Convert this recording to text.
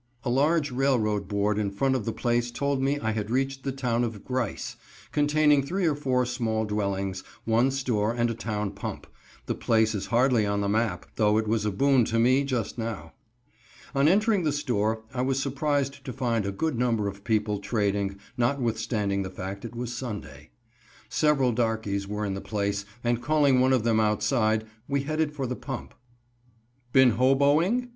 A large railroad board in front of the place told me I had reached the town of Grice containing three or four small dwellings, one store and a town pump; the place is hardly on the map, though it was a boon to me just now. On entering the store I was surprised to find a good number of people trading, notwithstanding the fact it was Sunday. Several darkies were in the place, and calling one of them outside, we headed for the pump. "Been hoboing?"